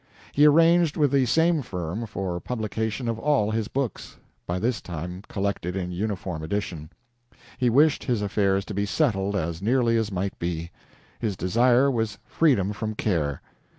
He arranged with the same firm for the publication of all his books, by this time collected in uniform edition. He wished his affairs to be settled as nearly as might be. His desire was freedom from care.